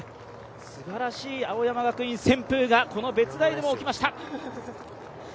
すばらしい青山学院旋風がこの別大でも起きました。